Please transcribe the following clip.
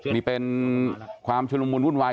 นี่เป็นความชุลมุนวุ่นวาย